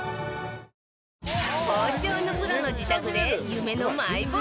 包丁のプロの自宅で夢のマイ包丁探し